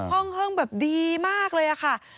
ห้องแบบดีมากเลยอะค่ะ